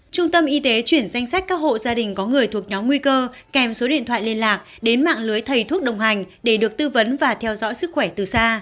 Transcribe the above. trung tâm y tế chuyển danh sách các hộ gia đình có người thuộc nhóm nguy cơ kèm số điện thoại liên lạc đến mạng lưới thầy thuốc đồng hành để được tư vấn và theo dõi sức khỏe từ xa